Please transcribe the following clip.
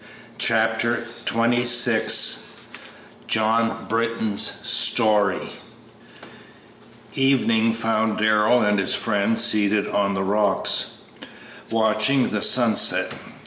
Chapter XXVI JOHN BRITTON'S STORY Evening found Darrell and his friend seated on the rocks watching the sunset.